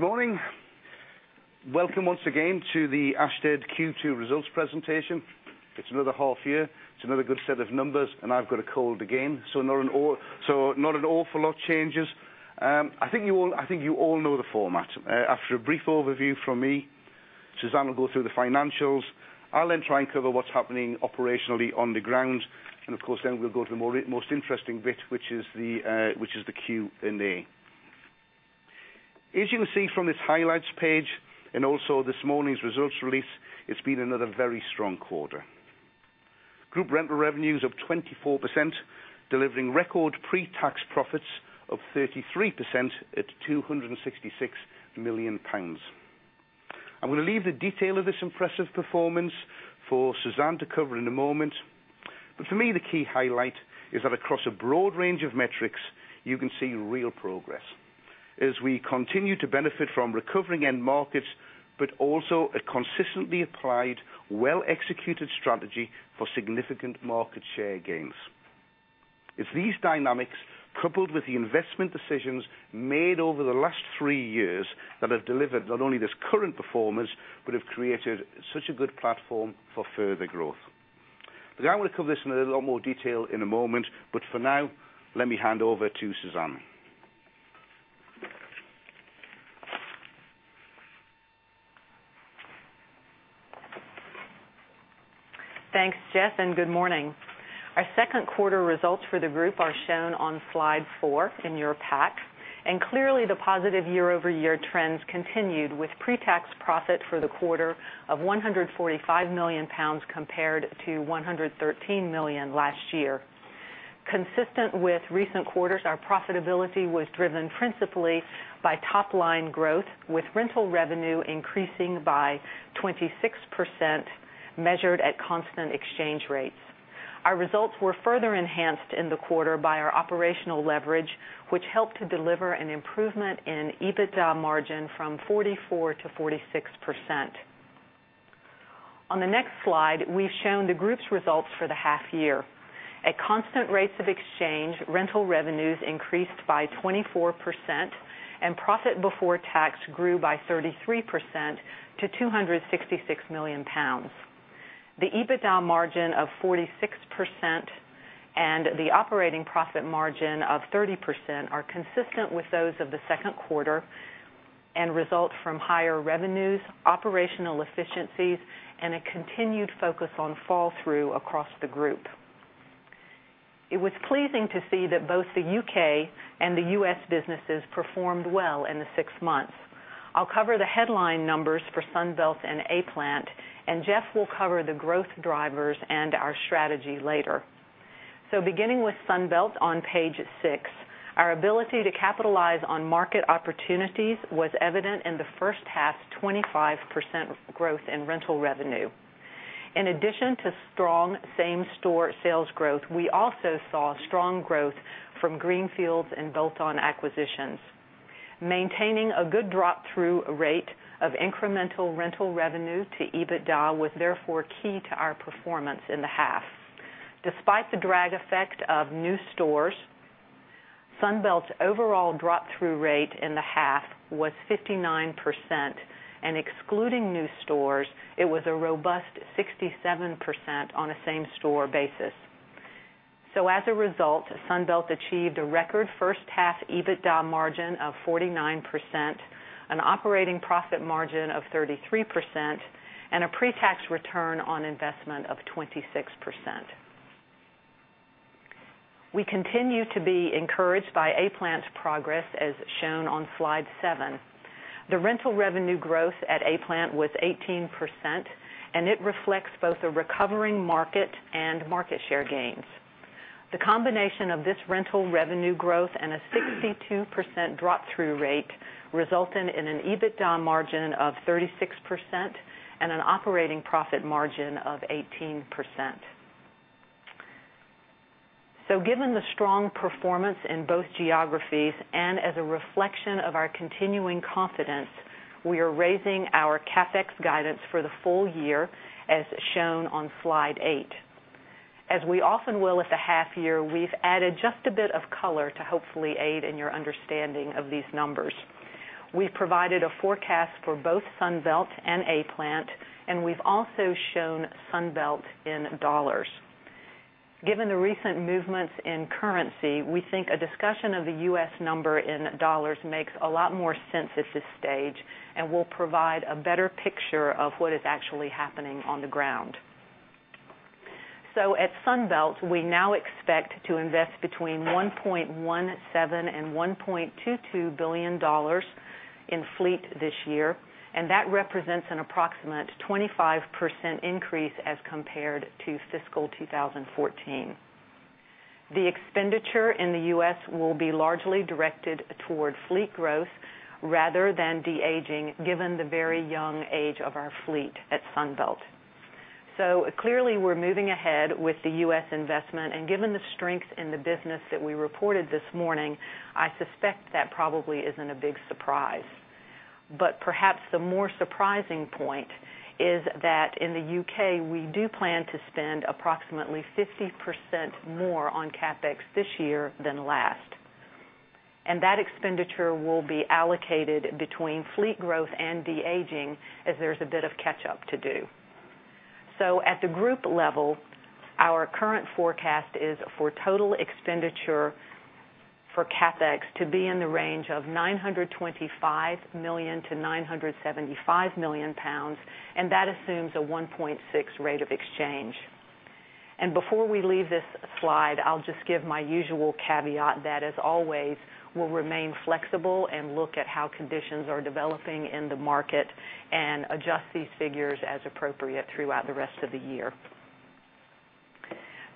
Good morning. Welcome once again to the Ashtead Q2 results presentation. It's another half year, it's another good set of numbers, and I've got a cold again, so not an awful lot changes. I think you all know the format. After a brief overview from me, Suzanne will go through the financials. I'll then try and cover what's happening operationally on the ground, and of course, then we'll go to the most interesting bit, which is the Q&A. As you can see from this highlights page and also this morning's results release, it's been another very strong quarter. Group rental revenues of 24%, delivering record pre-tax profits of 33% at 266 million pounds. I'm going to leave the detail of this impressive performance for Suzanne to cover in a moment. For me, the key highlight is that across a broad range of metrics, you can see real progress as we continue to benefit from recovering end markets, but also a consistently applied, well-executed strategy for significant market share gains. It's these dynamics, coupled with the investment decisions made over the last 3 years that have delivered not only this current performance, but have created such a good platform for further growth. Look, I want to cover this in a lot more detail in a moment, for now, let me hand over to Suzanne. Thanks, Geoff, good morning. Our second quarter results for the group are shown on slide four in your pack, clearly the positive year-over-year trends continued with pre-tax profit for the quarter of 145 million pounds, compared to 113 million last year. Consistent with recent quarters, our profitability was driven principally by top-line growth, with rental revenue increasing by 26%, measured at constant exchange rates. Our results were further enhanced in the quarter by our operational leverage, which helped to deliver an improvement in EBITDA margin from 44% to 46%. On the next slide, we've shown the group's results for the half year. At constant rates of exchange, rental revenues increased by 24%, profit before tax grew by 33% to 266 million pounds. The EBITDA margin of 46% and the operating profit margin of 30% are consistent with those of the second quarter and result from higher revenues, operational efficiencies, and a continued focus on flow-through across the group. It was pleasing to see that both the U.K. and the U.S. businesses performed well in the six months. I'll cover the headline numbers for Sunbelt and A-Plant, Geoff will cover the growth drivers and our strategy later. Beginning with Sunbelt on page six, our ability to capitalize on market opportunities was evident in the first half's 25% growth in rental revenue. In addition to strong same-store sales growth, we also saw strong growth from greenfields and bolt-on acquisitions. Maintaining a good drop-through rate of incremental rental revenue to EBITDA was therefore key to our performance in the half. Despite the drag effect of new stores, Sunbelt's overall drop-through rate in the half was 59%, and excluding new stores, it was a robust 67% on a same-store basis. As a result, Sunbelt achieved a record first-half EBITDA margin of 49%, an operating profit margin of 33%, and a pre-tax return on investment of 26%. We continue to be encouraged by A-Plant's progress, as shown on slide seven. The rental revenue growth at A-Plant was 18%, and it reflects both a recovering market and market share gains. The combination of this rental revenue growth and a 62% drop-through rate resulted in an EBITDA margin of 36% and an operating profit margin of 18%. Given the strong performance in both geographies and as a reflection of our continuing confidence, we are raising our CapEx guidance for the full year, as shown on slide eight. As we often will at the half year, we've added just a bit of color to hopefully aid in your understanding of these numbers. We've provided a forecast for both Sunbelt and A-Plant, and we've also shown Sunbelt in dollars. Given the recent movements in currency, we think a discussion of the U.S. number in dollars makes a lot more sense at this stage and will provide a better picture of what is actually happening on the ground. At Sunbelt, we now expect to invest between $1.17 billion and $1.22 billion in fleet this year, and that represents an approximate 25% increase as compared to fiscal 2014. The expenditure in the U.S. will be largely directed toward fleet growth rather than de-aging, given the very young age of our fleet at Sunbelt. Clearly, we're moving ahead with the U.S. investment, and given the strength in the business that we reported this morning, I suspect that probably isn't a big surprise. Perhaps the more surprising point is that in the U.K., we do plan to spend approximately 50% more on CapEx this year than last. That expenditure will be allocated between fleet growth and de-aging, as there's a bit of catch-up to do. At the group level, our current forecast is for total expenditure for CapEx to be in the range of 925 million to 975 million pounds, and that assumes a 1.6 rate of exchange. Before we leave this slide, I'll just give my usual caveat that, as always, we'll remain flexible and look at how conditions are developing in the market and adjust these figures as appropriate throughout the rest of the year.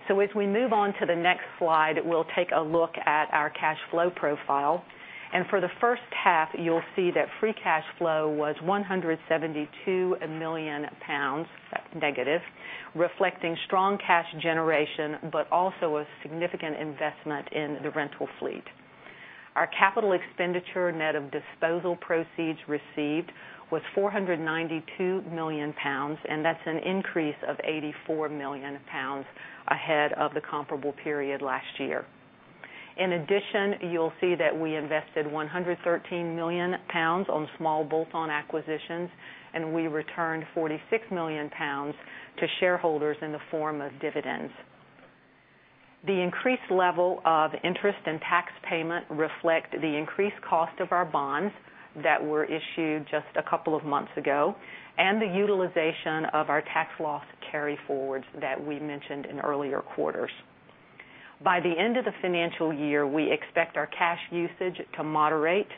As we move on to the next slide, we'll take a look at our cash flow profile. For the first half, you'll see that free cash flow was 172 million pounds, negative, reflecting strong cash generation, but also a significant investment in the rental fleet. Our capital expenditure net of disposal proceeds received was 492 million pounds, and that's an increase of 84 million pounds ahead of the comparable period last year. In addition, you'll see that we invested 113 million pounds on small bolt-on acquisitions, and we returned 46 million pounds to shareholders in the form of dividends. The increased level of interest and tax payment reflect the increased cost of our bonds that were issued just a couple of months ago and the utilization of our tax loss carry-forwards that we mentioned in earlier quarters. By the end of the financial year, we expect our cash usage to moderate,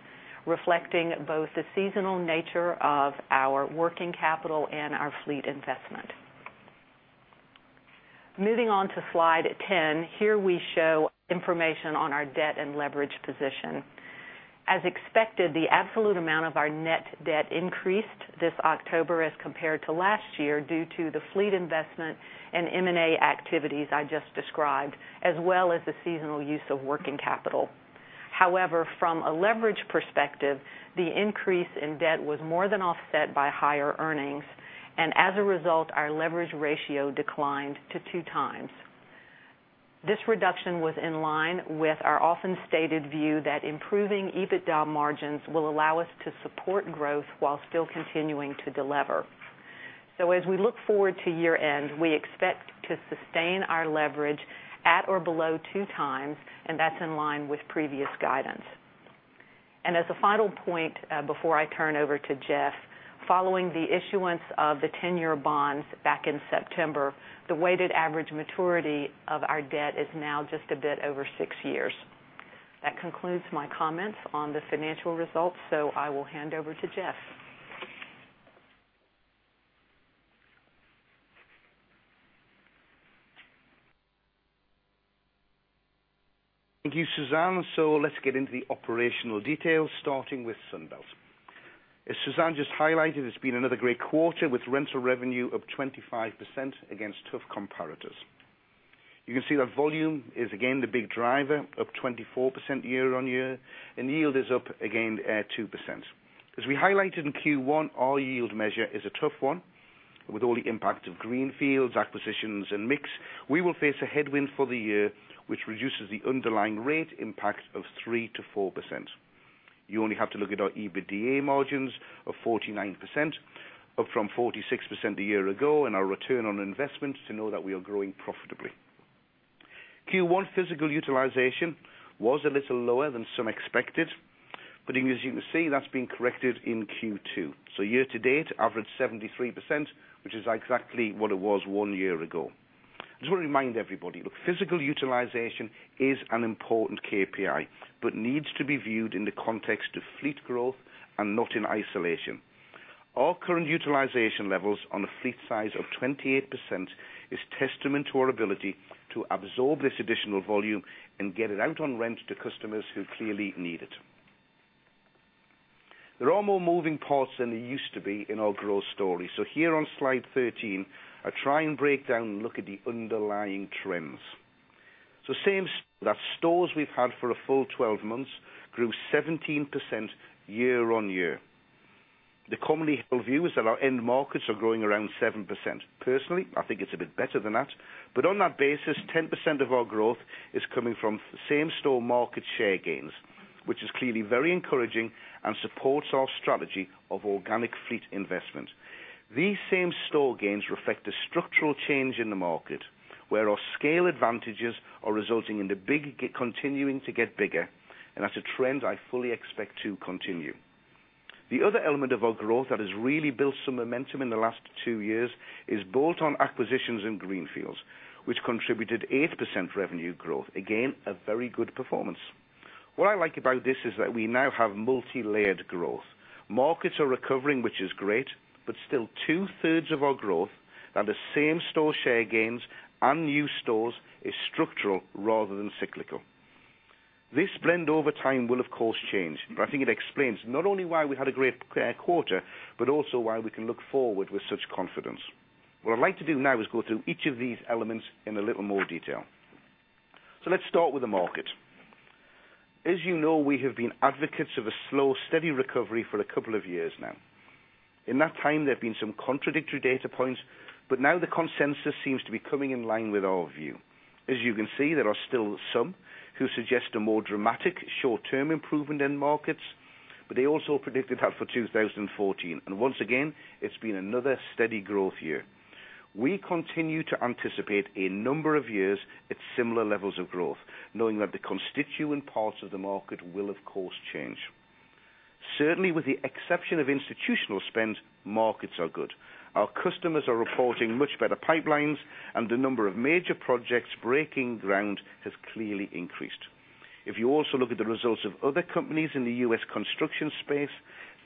reflecting both the seasonal nature of our working capital and our fleet investment. Moving on to slide 10. Here we show information on our debt and leverage position. As expected, the absolute amount of our net debt increased this October as compared to last year due to the fleet investment and M&A activities I just described, as well as the seasonal use of working capital. However, from a leverage perspective, the increase in debt was more than offset by higher earnings, and as a result, our leverage ratio declined to 2 times. This reduction was in line with our often-stated view that improving EBITDA margins will allow us to support growth while still continuing to de-lever. As we look forward to year-end, we expect to sustain our leverage at or below 2 times, and that's in line with previous guidance. As a final point, before I turn over to Geoff, following the issuance of the tenor bonds back in September, the weighted average maturity of our debt is now just a bit over six years. That concludes my comments on the financial results, I will hand over to Geoff. Thank you, Suzanne. Let's get into the operational details, starting with Sunbelt. As Suzanne just highlighted, it's been another great quarter with rental revenue of 25% against tough comparators. You can see that volume is again the big driver, up 24% year-on-year, and yield is up again at 2%. As we highlighted in Q1, our yield measure is a tough one. With all the impact of greenfields, acquisitions, and mix, we will face a headwind for the year, which reduces the underlying rate impact of 3%-4%. You only have to look at our EBITDA margins of 49%, up from 46% a year ago, and our return on investment to know that we are growing profitably. Q1 physical utilization was a little lower than some expected, but as you can see, that's been corrected in Q2. Year-to-date, average 73%, which is exactly what it was one year ago. I just want to remind everybody, look, physical utilization is an important KPI, but needs to be viewed in the context of fleet growth and not in isolation. Our current utilization levels on a fleet size of 28% is testament to our ability to absorb this additional volume and get it out on rent to customers who clearly need it. There are more moving parts than there used to be in our growth story. Here on slide 13, I try and break down and look at the underlying trends. Same that stores we've had for a full 12 months grew 17% year-on-year. The commonly held view is that our end markets are growing around 7%. Personally, I think it's a bit better than that. On that basis, 10% of our growth is coming from same-store market share gains, which is clearly very encouraging and supports our strategy of organic fleet investment. These same-store gains reflect a structural change in the market, where our scale advantages are resulting in the big continuing to get bigger, and that's a trend I fully expect to continue. The other element of our growth that has really built some momentum in the last two years is bolt-on acquisitions and greenfields, which contributed 8% revenue growth. Again, a very good performance. What I like about this is that we now have multi-layered growth. Markets are recovering, which is great, but still two-thirds of our growth are the same-store share gains and new stores is structural rather than cyclical. This blend over time will of course change, I think it explains not only why we had a great quarter, but also why we can look forward with such confidence. What I'd like to do now is go through each of these elements in a little more detail. Let's start with the market. As you know, we have been advocates of a slow, steady recovery for a couple of years now. In that time, there have been some contradictory data points, but now the consensus seems to be coming in line with our view. As you can see, there are still some who suggest a more dramatic short-term improvement in markets, but they also predicted that for 2014. Once again, it's been another steady growth year. We continue to anticipate a number of years at similar levels of growth, knowing that the constituent parts of the market will, of course, change. Certainly, with the exception of institutional spend, markets are good. Our customers are reporting much better pipelines, and the number of major projects breaking ground has clearly increased. If you also look at the results of other companies in the U.S. construction space,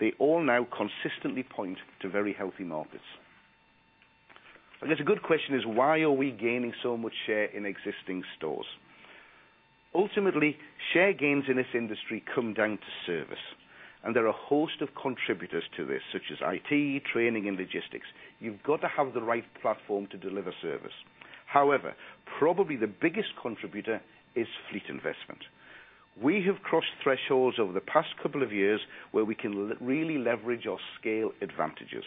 they all now consistently point to very healthy markets. I guess a good question is why are we gaining so much share in existing stores? Ultimately, share gains in this industry come down to service, and there are a host of contributors to this, such as IT, training, and logistics. You've got to have the right platform to deliver service. However, probably the biggest contributor is fleet investment. We have crossed thresholds over the past couple of years where we can really leverage our scale advantages.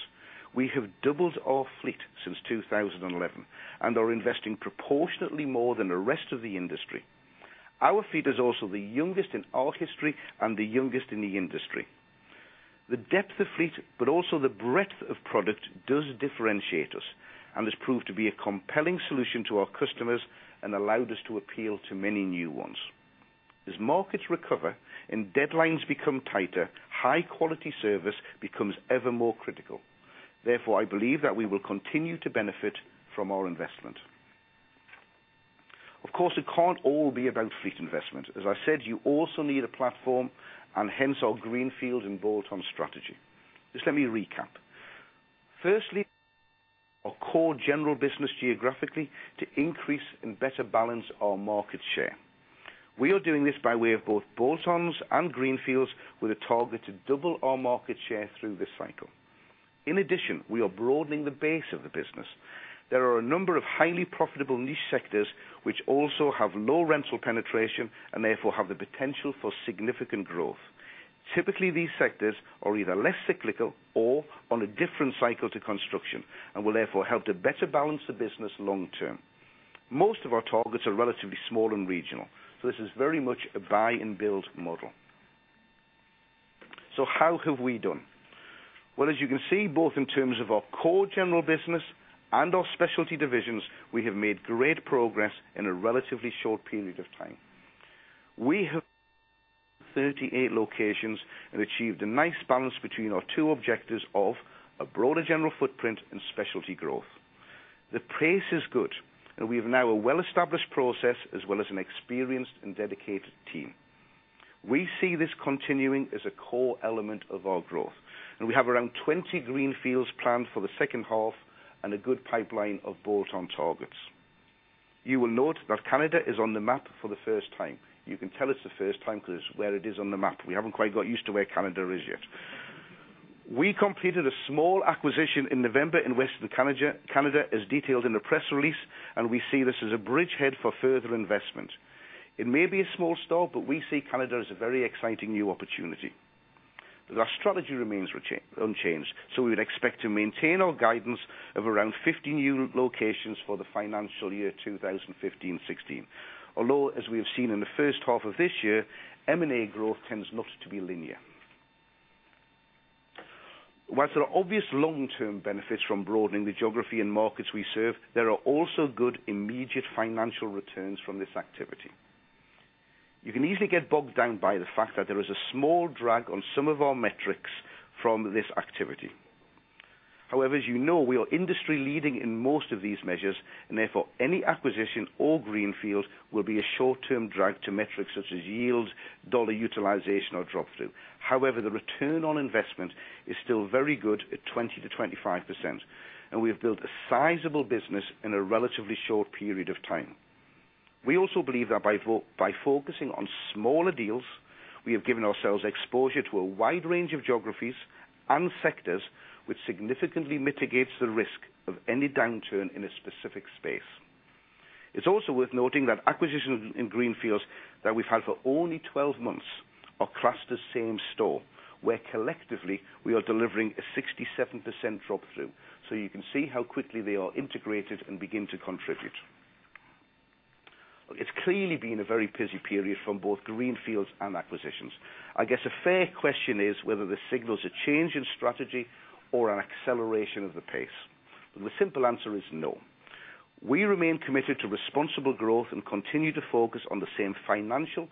We have doubled our fleet since 2011 and are investing proportionately more than the rest of the industry. Our fleet is also the youngest in our history and the youngest in the industry. The depth of fleet, but also the breadth of product, does differentiate us and has proved to be a compelling solution to our customers and allowed us to appeal to many new ones. As markets recover and deadlines become tighter, high-quality service becomes ever more critical. Therefore, I believe that we will continue to benefit from our investment. Of course, it can't all be about fleet investment. As I said, you also need a platform and hence our greenfield and bolt-on strategy. Just let me recap. Firstly, our core general business geographically to increase and better balance our market share. We are doing this by way of both bolt-ons and greenfields, with a target to double our market share through this cycle. In addition, we are broadening the base of the business. There are a number of highly profitable niche sectors which also have low rental penetration and therefore have the potential for significant growth. Typically, these sectors are either less cyclical or on a different cycle to construction and will therefore help to better balance the business long term. Most of our targets are relatively small and regional, so this is very much a buy and build model. How have we done? As you can see, both in terms of our core general business and our specialty divisions, we have made great progress in a relatively short period of time. We have 38 locations and achieved a nice balance between our two objectives of a broader general footprint and specialty growth. The pace is good. We have now a well-established process as well as an experienced and dedicated team. We see this continuing as a core element of our growth. We have around 20 greenfields planned for the second half and a good pipeline of bolt-on targets. You will note that Canada is on the map for the first time. You can tell it's the first time because where it is on the map, we haven't quite got used to where Canada is yet. We completed a small acquisition in November in Western Canada as detailed in the press release. We see this as a bridgehead for further investment. It may be a small store, but we see Canada as a very exciting new opportunity. Our strategy remains unchanged. We would expect to maintain our guidance of around 50 new locations for the financial year 2015/16. Although, as we have seen in the first half of this year, M&A growth tends not to be linear. While there are obvious long-term benefits from broadening the geography and markets we serve, there are also good immediate financial returns from this activity. You can easily get bogged down by the fact that there is a small drag on some of our metrics from this activity. However, as you know, we are industry leading in most of these measures. Therefore, any acquisition or greenfield will be a short-term drag to metrics such as yield, dollar utilization, or drop-through. However, the return on investment is still very good at 20%-25%. We have built a sizable business in a relatively short period of time. We also believe that by focusing on smaller deals, we have given ourselves exposure to a wide range of geographies and sectors, which significantly mitigates the risk of any downturn in a specific space. It's also worth noting that acquisitions in greenfields that we've had for only 12 months are across the same store, where collectively we are delivering a 67% drop-through. You can see how quickly they are integrated and begin to contribute. It's clearly been a very busy period from both greenfields and acquisitions. I guess a fair question is whether this signals a change in strategy or an acceleration of the pace. The simple answer is no. We remain committed to responsible growth and continue to focus on the same financial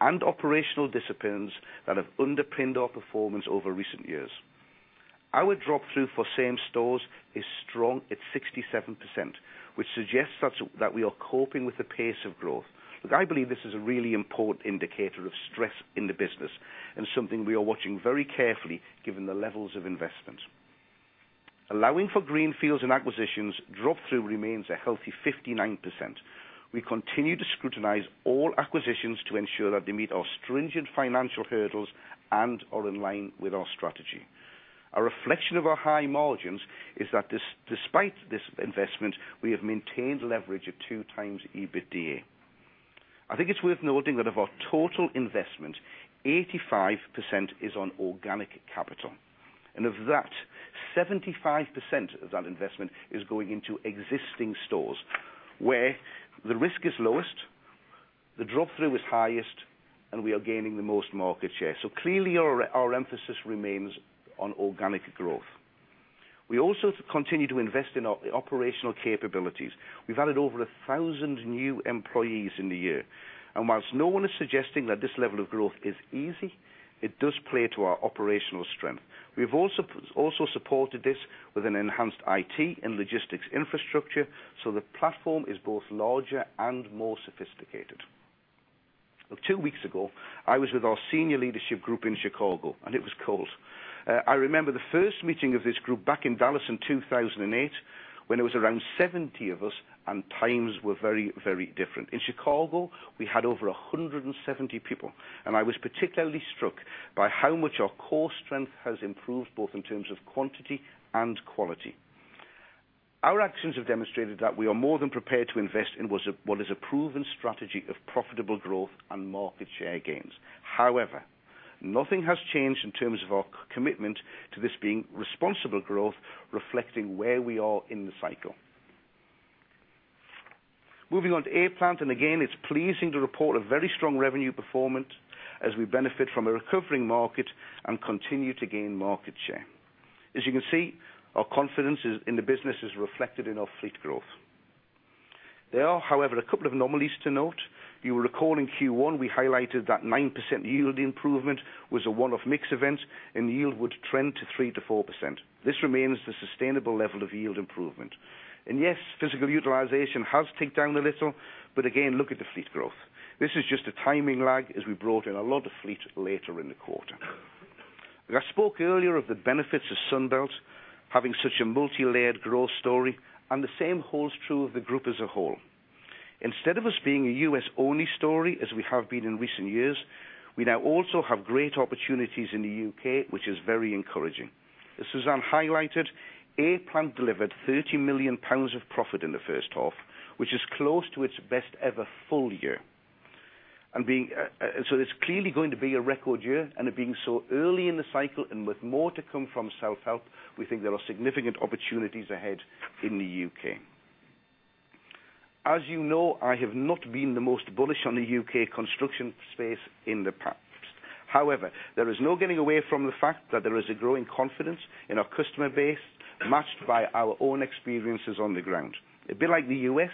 and operational disciplines that have underpinned our performance over recent years. Our drop-through for same stores is strong at 67%, which suggests that we are coping with the pace of growth. I believe this is a really important indicator of stress in the business and something we are watching very carefully given the levels of investment. Allowing for greenfields and acquisitions, drop-through remains a healthy 59%. We continue to scrutinize all acquisitions to ensure that they meet our stringent financial hurdles and are in line with our strategy. A reflection of our high margins is that despite this investment, we have maintained leverage of 2 times EBITDA. I think it's worth noting that of our total investment, 85% is on organic capital, and of that, 75% of that investment is going into existing stores where the risk is lowest, the drop-through is highest, and we are gaining the most market share. Clearly, our emphasis remains on organic growth. We also continue to invest in operational capabilities. We've added over 1,000 new employees in the year. Whilst no one is suggesting that this level of growth is easy, it does play to our operational strength. We have also supported this with an enhanced IT and logistics infrastructure, so the platform is both larger and more sophisticated. 2 weeks ago, I was with our senior leadership group in Chicago, and it was cold. I remember the first meeting of this group back in Dallas in 2008 when it was around 70 of us and times were very, very different. In Chicago, we had over 170 people, and I was particularly struck by how much our core strength has improved, both in terms of quantity and quality. Our actions have demonstrated that we are more than prepared to invest in what is a proven strategy of profitable growth and market share gains. However, nothing has changed in terms of our commitment to this being responsible growth, reflecting where we are in the cycle. Moving on to A-Plant, it's pleasing to report a very strong revenue performance as we benefit from a recovering market and continue to gain market share. As you can see, our confidence in the business is reflected in our fleet growth. There are, however, a couple of anomalies to note. You will recall in Q1, we highlighted that 9% yield improvement was a one-off mix event and yield would trend to 3%-4%. This remains the sustainable level of yield improvement. Yes, physical utilization has ticked down a little, but again, look at the fleet growth. This is just a timing lag as we brought in a lot of fleet later in the quarter. I spoke earlier of the benefits of Sunbelt having such a multilayered growth story, and the same holds true of the group as a whole. Instead of us being a U.S.-only story, as we have been in recent years, we now also have great opportunities in the U.K., which is very encouraging. As Suzanne highlighted, A-Plant delivered 30 million pounds of profit in the first half, which is close to its best ever full year. It's clearly going to be a record year, and it being so early in the cycle and with more to come from self-help, we think there are significant opportunities ahead in the U.K. As you know, I have not been the most bullish on the U.K. construction space in the past. There is no getting away from the fact that there is a growing confidence in our customer base, matched by our own experiences on the ground. A bit like the U.S.,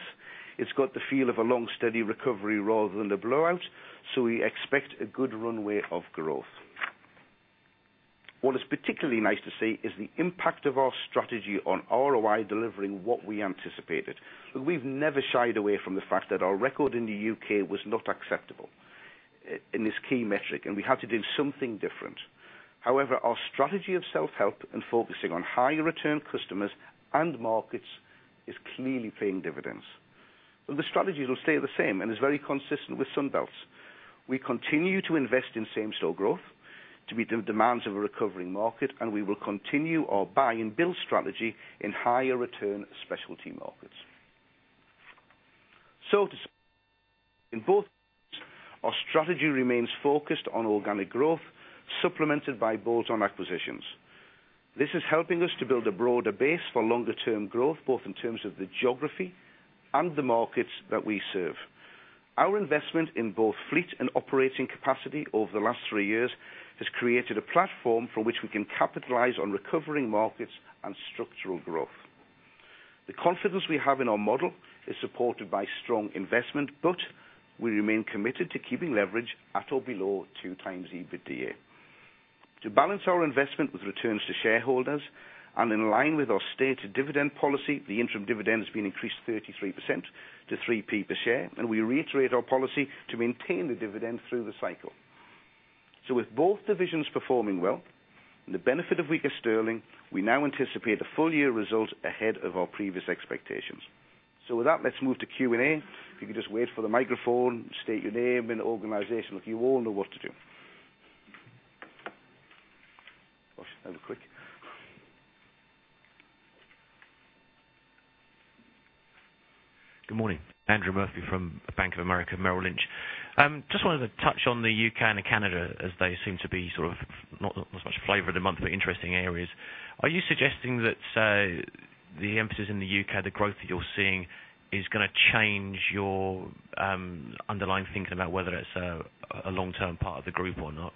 it's got the feel of a long, steady recovery rather than a blowout, we expect a good runway of growth. What is particularly nice to see is the impact of our strategy on ROI delivering what we anticipated. We've never shied away from the fact that our record in the U.K. was not acceptable in this key metric, and we had to do something different. Our strategy of self-help and focusing on higher return customers and markets is clearly paying dividends. The strategies will stay the same and is very consistent with Sunbelt's. We continue to invest in same-store growth to meet the demands of a recovering market, we will continue our buy and build strategy in higher return specialty markets. To in both our strategy remains focused on organic growth, supplemented by bolt-on acquisitions. This is helping us to build a broader base for longer term growth, both in terms of the geography and the markets that we serve. Our investment in both fleet and operating capacity over the last three years has created a platform from which we can capitalize on recovering markets and structural growth. The confidence we have in our model is supported by strong investment, but we remain committed to keeping leverage at or below two times EBITDA. To balance our investment with returns to shareholders and in line with our stated dividend policy, the interim dividend has been increased 33% to 0.03 per share, we reiterate our policy to maintain the dividend through the cycle. With both divisions performing well and the benefit of weaker sterling, we now anticipate a full year result ahead of our previous expectations. With that, let's move to Q&A. If you could just wait for the microphone, state your name and organization. Look, you all know what to do. Gosh, that was quick. Good morning. Andrew Murphy from Bank of America Merrill Lynch. Just wanted to touch on the U.K. and Canada as they seem to be not as much flavor of the month, but interesting areas. Are you suggesting that the emphasis in the U.K., the growth that you're seeing, is going to change your underlying thinking about whether it's a long-term part of the group or not?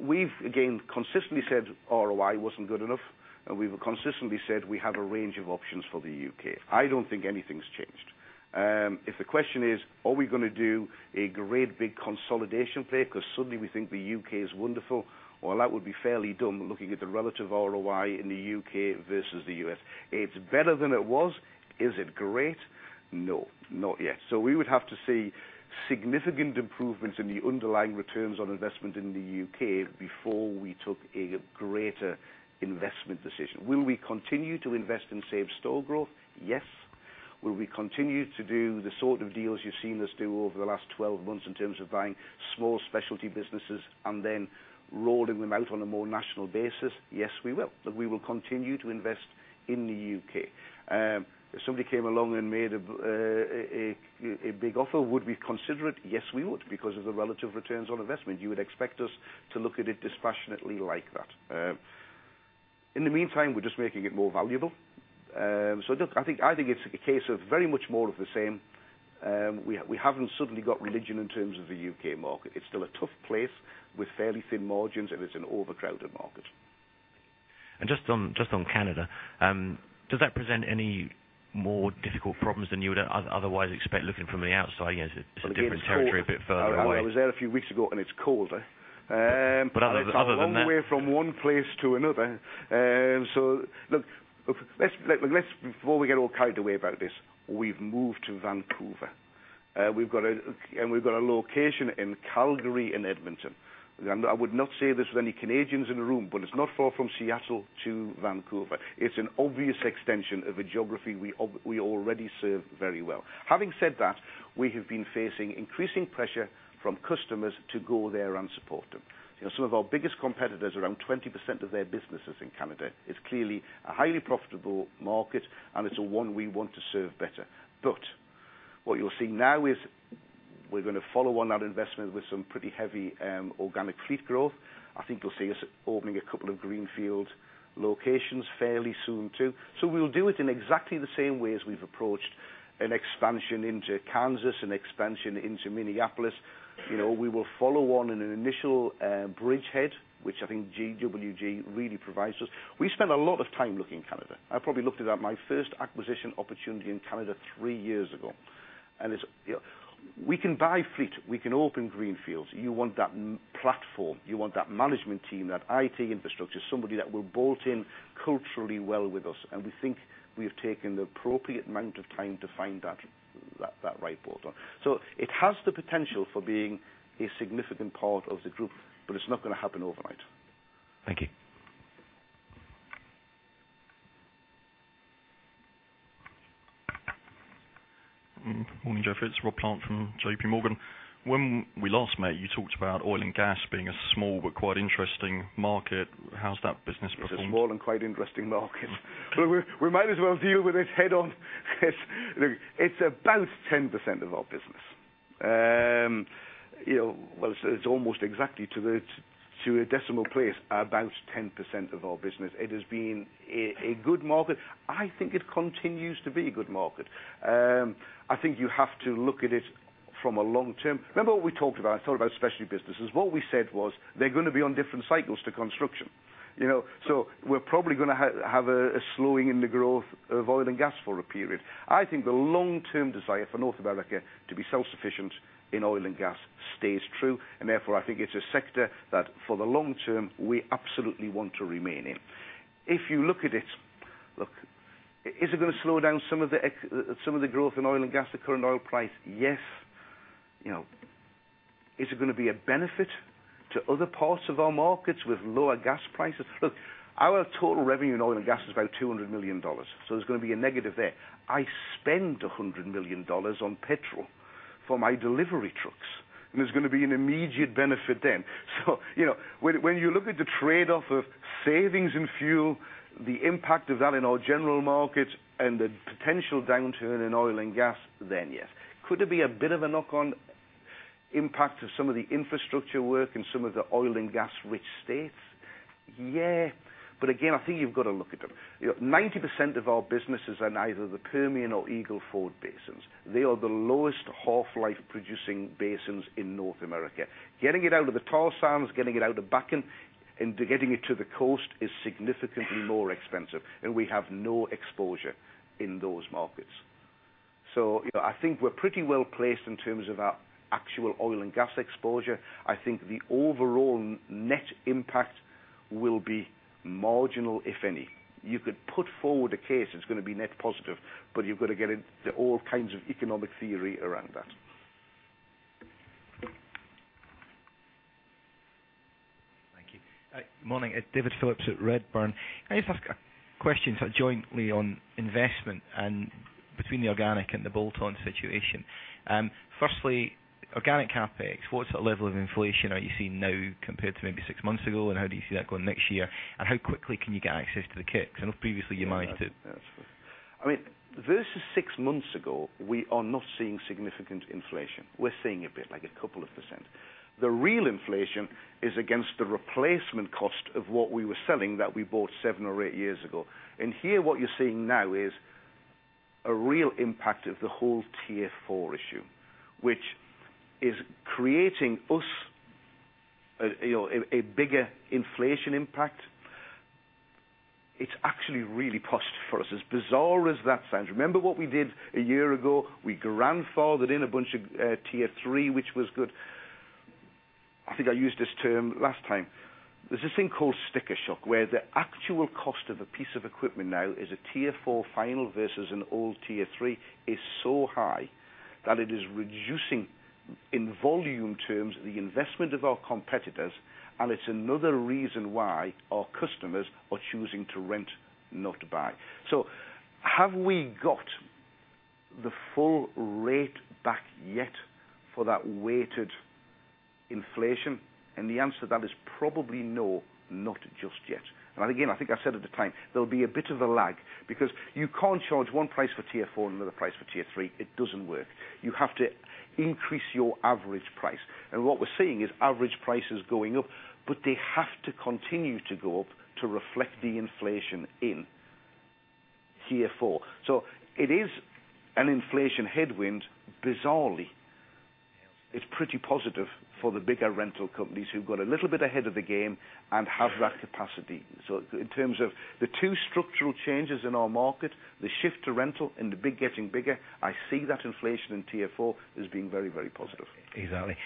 We've, again, consistently said ROI wasn't good enough, and we've consistently said we have a range of options for the U.K. I don't think anything's changed. If the question is, are we going to do a great big consolidation play because suddenly we think the U.K. is wonderful? That would be fairly dumb looking at the relative ROI in the U.K. versus the U.S. It's better than it was. Is it great? No, not yet. We would have to see significant improvements in the underlying returns on investment in the U.K. before we took a greater investment decision. Will we continue to invest in same-store growth? Yes. Will we continue to do the sort of deals you've seen us do over the last 12 months, in terms of buying small specialty businesses and then rolling them out on a more national basis? Yes, we will. We will continue to invest in the U.K. If somebody came along and made a big offer, would we consider it? Yes, we would, because of the relative returns on investment. You would expect us to look at it dispassionately like that. In the meantime, we're just making it more valuable. Look, I think it's a case of very much more of the same. We haven't suddenly got religion in terms of the U.K. market. It's still a tough place with fairly thin margins, and it's an overcrowded market. Just on Canada, does that present any more difficult problems than you would otherwise expect, looking from the outside? It's a different territory, a bit further away. I was there a few weeks ago, and it's colder. Other than that. It's a long way from one place to another. Look, before we get all carried away about this, we've moved to Vancouver. We've got a location in Calgary and Edmonton. I would not say this with any Canadians in the room, but it's not far from Seattle to Vancouver. It's an obvious extension of a geography we already serve very well. Having said that, we have been facing increasing pressure from customers to go there and support them. Some of our biggest competitors, around 20% of their business is in Canada. It's clearly a highly profitable market, and it's one we want to serve better. What you'll see now is we're going to follow on that investment with some pretty heavy organic fleet growth. I think you'll see us opening a couple of greenfield locations fairly soon, too. We'll do it in exactly the same way as we've approached an expansion into Kansas, an expansion into Minneapolis. We will follow on in an initial bridgehead, which I think JWG really provides us. We spent a lot of time looking at Canada. I probably looked it up, my first acquisition opportunity in Canada three years ago. We can buy fleet. We can open greenfields. You want that platform. You want that management team, that IT infrastructure, somebody that will bolt in culturally well with us. We think we have taken the appropriate amount of time to find that right bolt-on. It has the potential for being a significant part of the group, but it's not going to happen overnight. Thank you. Morning, Geoff. It's Rob Plant from JPMorgan. When we last met, you talked about oil and gas being a small but quite interesting market. How's that business performing? It's a small and quite interesting market. We might as well deal with it head-on. Look, it's about 10% of our business. Well, it's almost exactly, to a decimal place, about 10% of our business. It has been a good market. I think it continues to be a good market. I think you have to look at it from a long term. Remember what we talked about, I thought about specialty businesses. What we said was, they're going to be on different cycles to construction. We're probably going to have a slowing in the growth of oil and gas for a period. I think the long-term desire for North America to be self-sufficient in oil and gas stays true, therefore, I think it's a sector that for the long term, we absolutely want to remain in. If you look at it, look, is it going to slow down some of the growth in oil and gas at the current oil price? Yes. Is it going to be a benefit to other parts of our markets with lower gas prices? Look, our total revenue in oil and gas is about $200 million. There's going to be a negative there. I spend $100 million on petrol for my delivery trucks, there's going to be an immediate benefit then. When you look at the trade-off of savings in fuel, the impact of that in our general markets, and the potential downturn in oil and gas, yes. Could there be a bit of a knock-on impact of some of the infrastructure work in some of the oil-and-gas-rich states? Yeah. Again, I think you've got to look at them. 90% of our businesses are in either the Permian or Eagle Ford basins. They are the lowest half-cycle producing basins in North America. Getting it out of the tar sands, getting it out of Bakken, and getting it to the coast is significantly more expensive, and we have no exposure in those markets. I think we're pretty well-placed in terms of our actual oil and gas exposure. I think the overall net impact will be marginal, if any. You could put forward a case that it's going to be net positive, you've got to get into all kinds of economic theory around that. Thank you. Morning, it's David Phillips at Redburn. Can I just ask a question jointly on investment between the organic and the bolt-on situation. Firstly, organic CapEx, what sort of level of inflation are you seeing now compared to maybe six months ago, how do you see that going next year? How quickly can you get access to the kit? Because I know previously you minded- I mean, versus six months ago, we are not seeing significant inflation. We're seeing a bit, like a couple of %. The real inflation is against the replacement cost of what we were selling that we bought seven or eight years ago. Here, what you're seeing now is a real impact of the whole Tier 4 issue, which is creating us a bigger inflation impact. It's actually really positive for us, as bizarre as that sounds. Remember what we did a year ago? We grandfathered in a bunch of Tier 3, which was good. I think I used this term last time. There's this thing called sticker shock, where the actual cost of a piece of equipment now is a Tier 4 final versus an old Tier 3 is so high that it is reducing in volume terms, the investment of our competitors, it's another reason why our customers are choosing to rent, not to buy. Have we got the full rate back yet for that weighted inflation? The answer to that is probably no, not just yet. Again, I think I said at the time, there'll be a bit of a lag because you can't charge one price for Tier 4 and another price for Tier 3. It doesn't work. You have to increase your average price. What we're seeing is average prices going up, but they have to continue to go up to reflect the inflation in Tier 4. It is an inflation headwind. Bizarrely, it's pretty positive for the bigger rental companies who got a little bit ahead of the game and have that capacity. In terms of the two structural changes in our market, the shift to rental and the big getting bigger, I see that inflation in Tier 4 as being very, very positive. Exactly.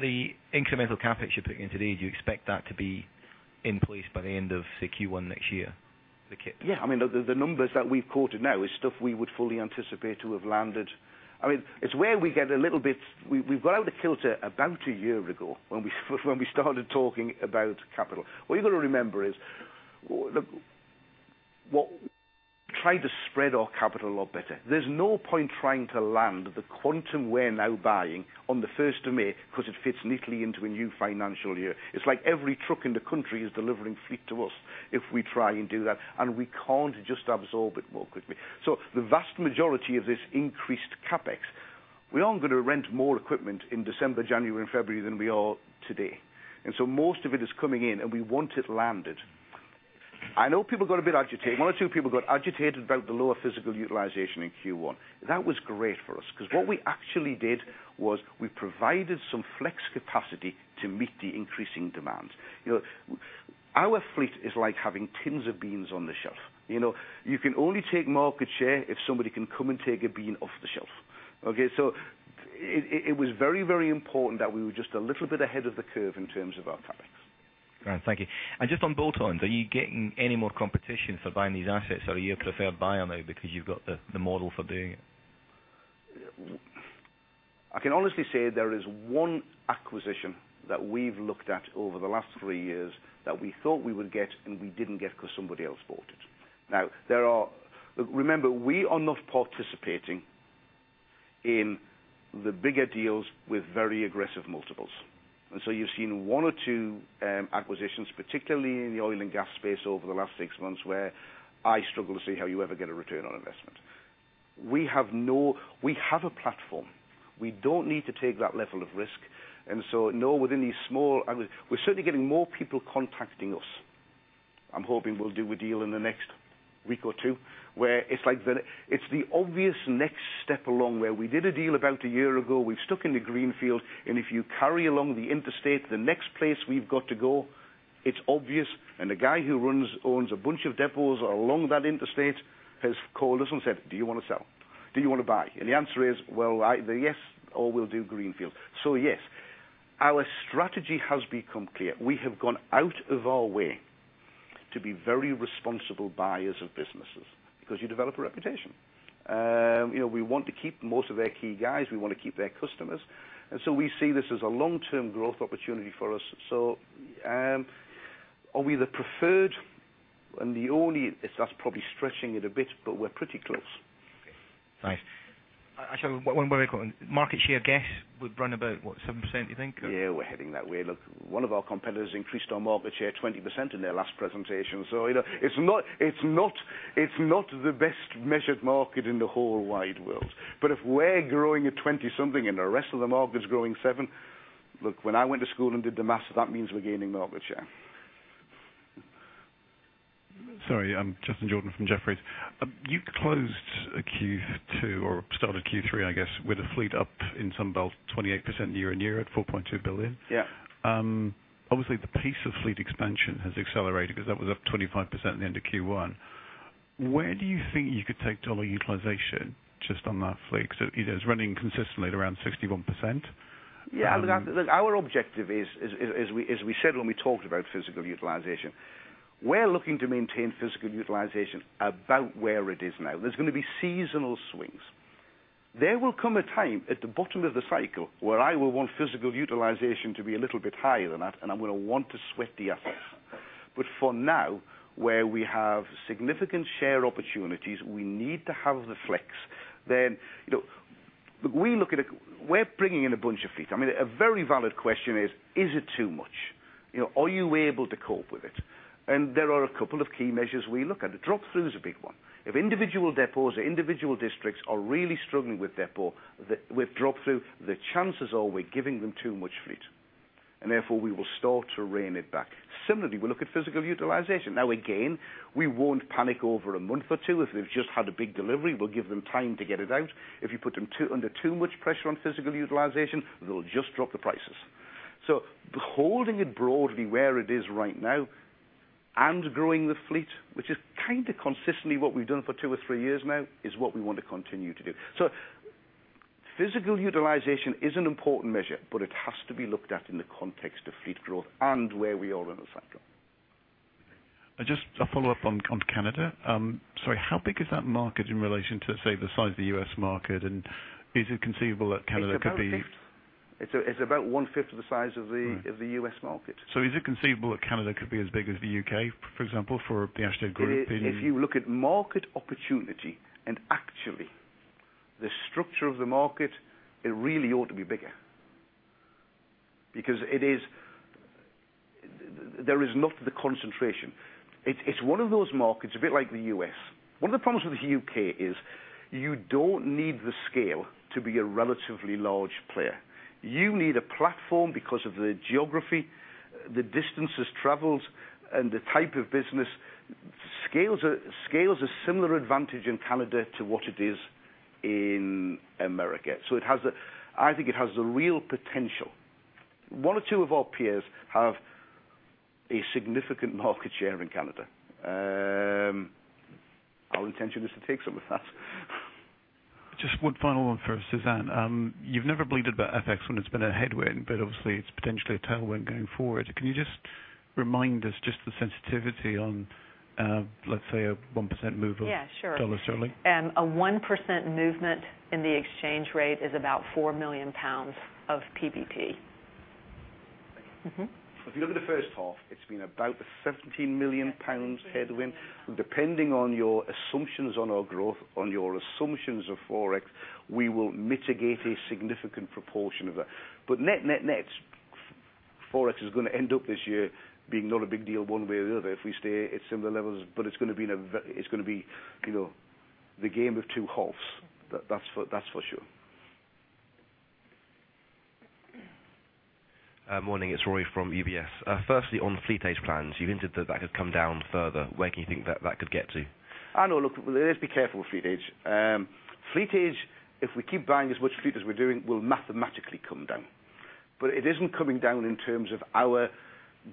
The incremental CapEx you're putting in today, do you expect that to be in place by the end of the Q1 next year? The kit. Yeah. The numbers that we've quoted now is stuff we would fully anticipate to have landed. It's where we got out of kilter about a year ago when we started talking about capital. What you got to remember is, look, try to spread our capital a lot better. There's no point trying to land the quantum we're now buying on the 1st of May because it fits neatly into a new financial year. It's like every truck in the country is delivering fleet to us if we try and do that, and we can't just absorb it more quickly. The vast majority of this increased CapEx, we aren't going to rent more equipment in December, January, and February than we are today. Most of it is coming in, and we want it landed. I know people got a bit agitated. One or two people got agitated about the lower physical utilization in Q1. That was great for us because what we actually did was we provided some flex capacity to meet the increasing demand. Our fleet is like having tins of beans on the shelf. You can only take market share if somebody can come and take a bean off the shelf. Okay? It was very, very important that we were just a little bit ahead of the curve in terms of our CapEx. Great. Thank you. Just on bolt-ons, are you getting any more competition for buying these assets, or are you a preferred buyer now because you've got the model for doing it? I can honestly say there is one acquisition that we've looked at over the last three years that we thought we would get and we didn't get because somebody else bought it. Remember, we are not participating in the bigger deals with very aggressive multiples. You've seen one or two acquisitions, particularly in the oil and gas space over the last six months, where I struggle to see how you ever get a return on investment. We have a platform. We don't need to take that level of risk. No, we're certainly getting more people contacting us. I'm hoping we'll do a deal in the next week or two where it's the obvious next step along where we did a deal about a year ago, we've stuck in the greenfield, and if you carry along the interstate, the next place we've got to go, it's obvious. The guy who owns a bunch of depots along that interstate has called us and said, "Do you want to sell? Do you want to buy?" The answer is, "Well, either yes, or we'll do greenfield." Yes. Our strategy has become clear. We have gone out of our way to be very responsible buyers of businesses because you develop a reputation. We want to keep most of their key guys, we want to keep their customers. We see this as a long-term growth opportunity for us. So are we the preferred and the only? It's us probably stretching it a bit, but we're pretty close. Okay. Thanks. I just have one more quick one. Market share guess would run about what? 7%, you think? Yeah, we're heading that way. Look, one of our competitors increased our market share 20% in their last presentation. It's not the best-measured market in the whole wide world. If we're growing at 20-something and the rest of the market is growing 7%, look, when I went to school and did the math, that means we're gaining market share. Sorry. Justin Jordan from Jefferies. You closed Q2 or started Q3, I guess, with the fleet up in Sunbelt 28% year-over-year at $4.2 billion. Yeah. Obviously, the pace of fleet expansion has accelerated because that was up 25% at the end of Q1. Where do you think you could take dollar utilization just on that fleet? Because it's running consistently at around 61%. Yeah. Look, our objective is, as we said when we talked about physical utilization, we're looking to maintain physical utilization about where it is now. There's going to be seasonal swings. There will come a time at the bottom of the cycle where I will want physical utilization to be a little bit higher than that, and I'm going to want to sweat the assets. For now, where we have significant share opportunities, we need to have the flex. We're bringing in a bunch of fleet. A very valid question is it too much? Are you able to cope with it? There are a couple of key measures we look at. Drop-through is a big one. If individual depots or individual districts are really struggling with drop-through, the chances are we're giving them too much fleet, and therefore we will start to rein it back. Similarly, we look at physical utilization. Again, we won't panic over a month or two if they've just had a big delivery. We'll give them time to get it out. If you put them under too much pressure on physical utilization, they'll just drop the prices. Holding it broadly where it is right now and growing the fleet, which is kind of consistently what we've done for two or three years now, is what we want to continue to do. Physical utilization is an important measure, but it has to be looked at in the context of fleet growth and where we are in the cycle. Just a follow-up on Canada. Sorry, how big is that market in relation to, say, the size of the U.S. market, and is it conceivable that Canada could be- It's about one-fifth of the size of the U.S. market. Is it conceivable that Canada could be as big as the U.K., for example, for the Ashtead Group in- If you look at market opportunity and actually the structure of the market, it really ought to be bigger because there is not the concentration. It is one of those markets, a bit like the U.S. One of the problems with the U.K. is you do not need the scale to be a relatively large player. You need a platform because of the geography, the distances traveled, and the type of business. Scale is a similar advantage in Canada to what it is in America. I think it has the real potential. One or two of our peers have a significant market share in Canada. Our intention is to take some of that. Just one final one for Suzanne. You have never bleated about FX when it has been a headwind. Obviously, it is potentially a tailwind going forward. Can you just remind us just the sensitivity on, let's say, a 1% move of-. Yeah, sure. Dollar sterling. A 1% movement in the exchange rate is about 4 million pounds of PBT. Thank you. If you look at the first half, it's been about a 17 million pounds headwind. Depending on your assumptions on our growth, on your assumptions of Forex, we will mitigate a significant proportion of that. Net, net, Forex is going to end up this year being not a big deal one way or the other if we stay at similar levels, but it's going to be the game of two halves. That's for sure. Morning. It's Rory from UBS. Firstly, on fleet age plans, you hinted that that could come down further. Where can you think that that could get to? I know. Look, let's be careful with fleet age. Fleet age, if we keep buying as much fleet as we're doing, will mathematically come down. It isn't coming down in terms of our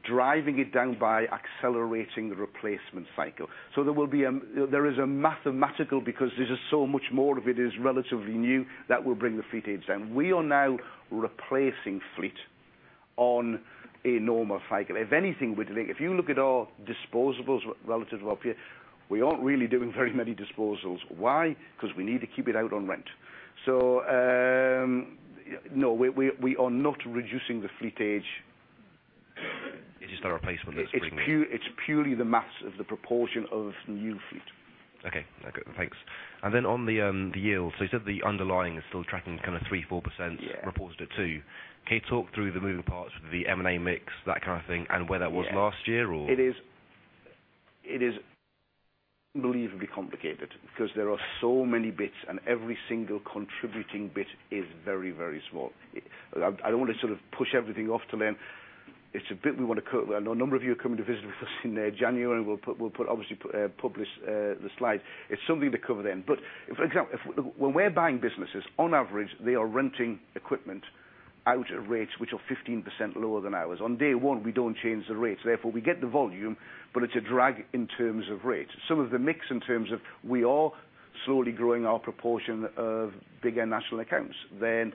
driving it down by accelerating the replacement cycle. There is a mathematical, because there's just so much more of it is relatively new, that will bring the fleet age down. We are now replacing fleet on a normal cycle. If anything, if you look at our disposables relative to our peers, we aren't really doing very many disposals. Why? Because we need to keep it out on rent. No, we are not reducing the fleet age. It is the replacement that's bringing it down. It's purely the mass of the proportion of new fleet. Okay. Good. Thanks. Then on the yield, you said the underlying is still tracking kind of 3% to 4%. Yeah reported at two. Can you talk through the moving parts for the M&A mix, that kind of thing, and where that was last year or? It is believably complicated because there are so many bits, and every single contributing bit is very small. I don't want to sort of push everything off till then. It's a bit we want to cover. I know a number of you are coming to visit with us in January, and we'll obviously publish the slides. It's something to cover then. For example, when we're buying businesses, on average, they are renting equipment out at rates which are 15% lower than ours. On day one, we don't change the rates, therefore, we get the volume, but it's a drag in terms of rate. Some of the mix in terms of we are slowly growing our proportion of bigger national accounts, that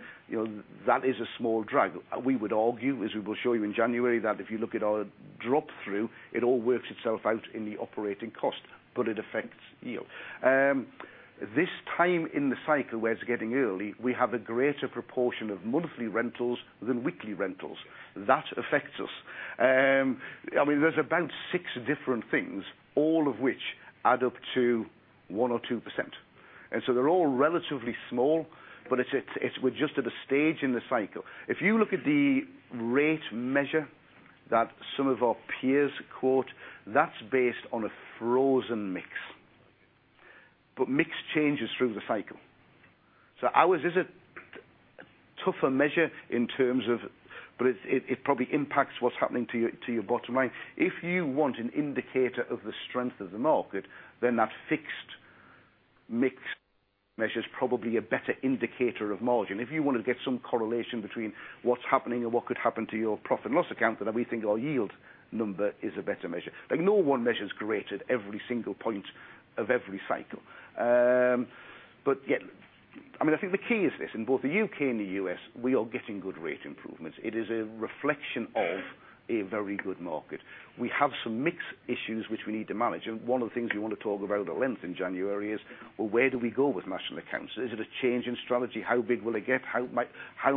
is a small drag. We would argue, as we will show you in January, that if you look at our drop-through, it all works itself out in the operating cost, but it affects yield. This time in the cycle, where it's getting early, we have a greater proportion of monthly rentals than weekly rentals. That affects us. There's about six different things, all of which add up to 1% or 2%. They're all relatively small, but we're just at a stage in the cycle. If you look at the rate measure that some of our peers quote, that's based on a frozen mix. Mix changes through the cycle. Ours is a tougher measure. It probably impacts what's happening to your bottom line. If you want an indicator of the strength of the market, that fixed mix measure's probably a better indicator of margin. If you want to get some correlation between what's happening or what could happen to your profit and loss account, we think our yield number is a better measure. No one measure's great at every single point of every cycle. I think the key is this, in both the U.K. and the U.S., we are getting good rate improvements. It is a reflection of a very good market. We have some mix issues which we need to manage, one of the things we want to talk about at length in January is, well, where do we go with national accounts? Is it a change in strategy? How big will it get? How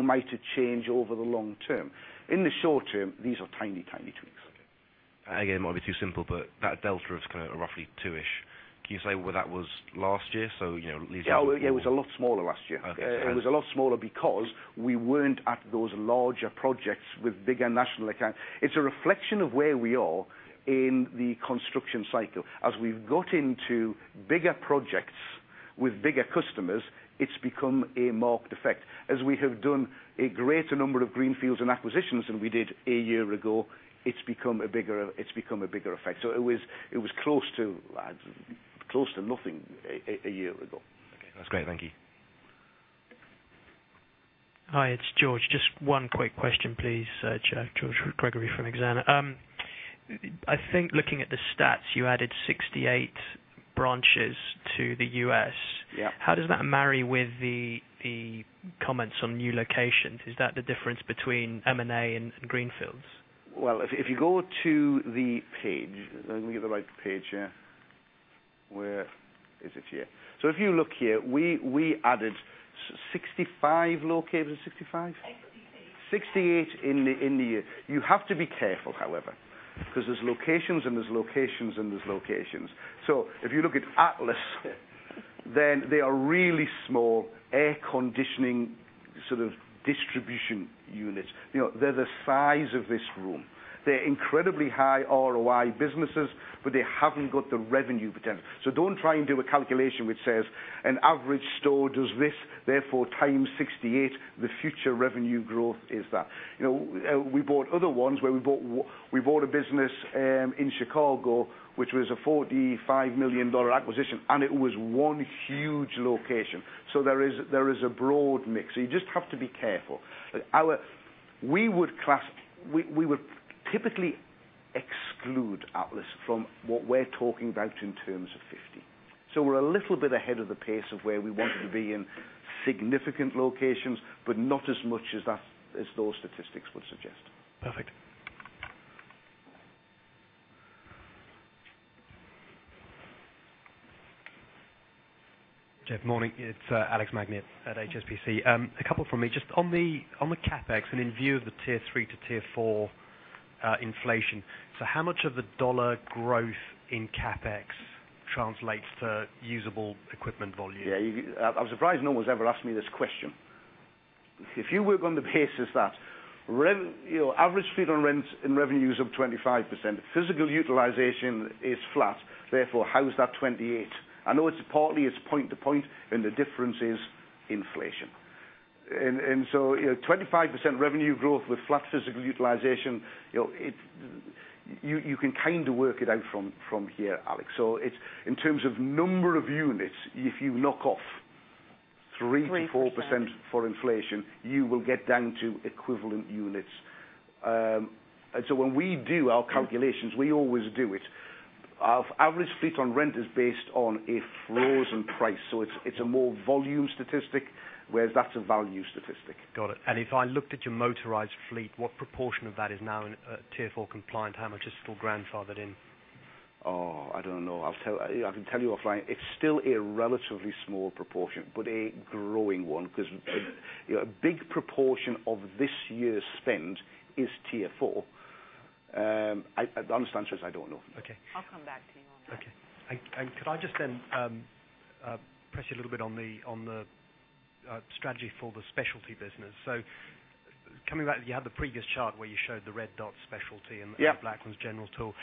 might it change over the long term? In the short term, these are tiny tweaks. Okay. Again, it might be too simple, but that delta of kind of roughly two-ish. Can you say where that was last year? Leaves it at four. Yeah, it was a lot smaller last year. Okay. It was a lot smaller because we weren't at those larger projects with bigger national accounts. It's a reflection of where we are in the construction cycle. As we've got into bigger projects with bigger customers, it's become a marked effect. As we have done a greater number of greenfields and acquisitions than we did a year ago, it's become a bigger effect. It was close to nothing a year ago. Okay. That's great. Thank you. Hi, it's George. Just one quick question, please, George. George Gregory from Exane. I think looking at the stats, you added 68 Branches to the U.S. Yeah. How does that marry with the comments on new locations? Is that the difference between M&A and greenfields? If you go to the page. Let me get the right page here. Where is it here? If you look here, we added 65 locations. 65? 68. 68 in the year. You have to be careful, however, because there's locations, and there's locations. If you look at Atlas, then they are really small air conditioning sort of distribution units. They're the size of this room. They're incredibly high ROI businesses, but they haven't got the revenue potential. Don't try and do a calculation which says, an average store does this, therefore times 68, the future revenue growth is that. We bought other ones where we bought a business in Chicago, which was a $45 million acquisition, and it was one huge location. There is a broad mix. You just have to be careful. We would typically exclude Atlas from what we're talking about in terms of 50. We're a little bit ahead of the pace of where we wanted to be in significant locations, but not as much as those statistics would suggest. Perfect. Geoff, morning. It's Alex Magni at HSBC. A couple from me. Just on the CapEx and in view of the Tier 3 to Tier 4 inflation. How much of the dollar growth in CapEx translates to usable equipment volume? Yeah. I'm surprised no one's ever asked me this question. If you work on the basis that your average fleet on rent and revenues up 25%, physical utilization is flat, therefore how is that 28? I know it's partly it's point to point, the difference is inflation. 25% revenue growth with flat physical utilization, you can kind of work it out from here, Alex. It's in terms of number of units, if you knock off 3%-4% for inflation, you will get down to equivalent units. When we do our calculations, we always do it. Our average fleet on rent is based on a floors and price. It's a more volume statistic, whereas that's a value statistic. Got it. If I looked at your motorized fleet, what proportion of that is now in Tier 4 compliant? How much is still grandfathered in? I don't know. I can tell you offline. It's still a relatively small proportion, but a growing one because a big proportion of this year's spend is Tier 4. The honest answer is I don't know. Okay. I'll come back to you on that. Okay. Could I just press you a little bit on the strategy for the specialty business. Coming back, you had the previous chart where you showed the red dot specialty. Yeah The black one's general tool.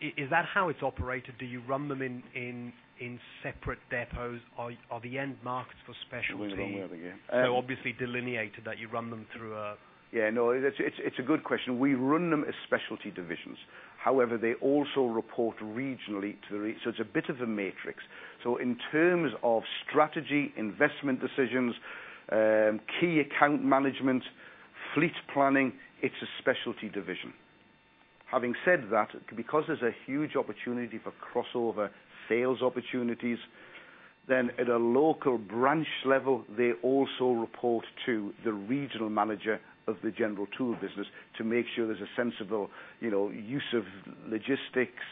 Is that how it's operated? Do you run them in separate depots? Are the end markets for specialty Going the wrong way again. Obviously delineated that you run them through. Yeah, no, it's a good question. We run them as specialty divisions. However, they also report regionally to the region, so it's a bit of a matrix. In terms of strategy, investment decisions, key account management, fleet planning, it's a specialty division. Having said that, because there's a huge opportunity for crossover sales opportunities, at a local branch level, they also report to the regional manager of the general tool business to make sure there's a sensible use of logistics,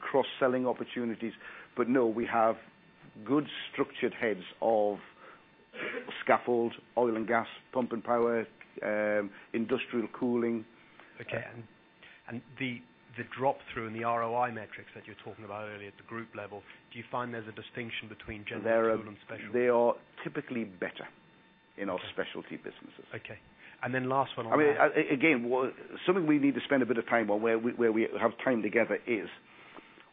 cross-selling opportunities. No, we have good structured heads of scaffold, oil and gas, pump and power, industrial cooling. Okay. The drop-through in the ROI metrics that you were talking about earlier at the group level, do you find there's a distinction between general tool and specialty? They are typically better in our specialty businesses. Okay. Last one on that. Something we need to spend a bit of time on where we have time together is,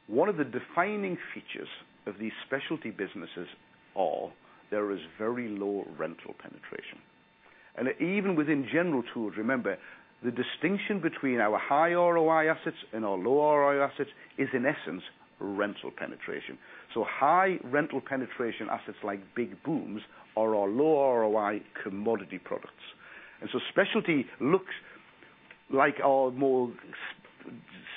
one of the defining features of these specialty businesses are there is very low rental penetration. Even within general tools, remember, the distinction between our high ROI assets and our low ROI assets is, in essence, rental penetration. High rental penetration assets like big booms are our low ROI commodity products. Specialty looks like our more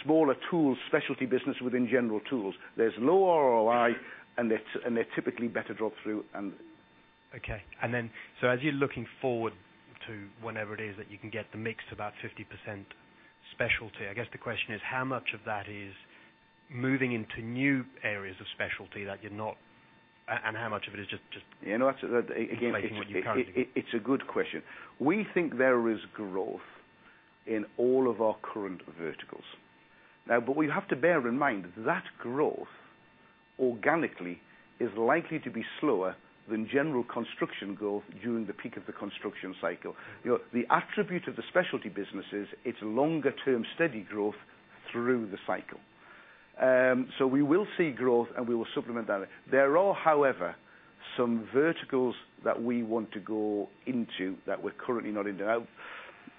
smaller tools specialty business within general tools. There's low ROI, and they're typically better drop through. Okay. As you're looking forward to whenever it is that you can get the mix to about 50% specialty, I guess the question is, how much of that is moving into new areas of specialty that you're not? You know, that's. Replacing what you currently do? Again, it's a good question. We think there is growth in all of our current verticals. We have to bear in mind that growth organically is likely to be slower than general construction growth during the peak of the construction cycle. The attribute of the specialty business is it's longer-term steady growth through the cycle. We will see growth, and we will supplement that. There are, however, some verticals that we want to go into that we're currently not into.